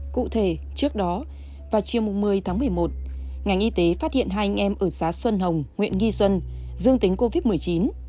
cụ thể trước đó vào chiều một mươi tháng một mươi một ngành y tế phát hiện hai anh em ở xã xuân hồng huyện nghi xuân dương tính covid một mươi chín